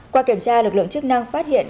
qua kiểm tra lực lượng chức năng phát hiện